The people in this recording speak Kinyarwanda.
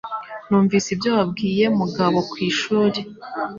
Numvise ibyo wabwiye Mugabo ku ishuri.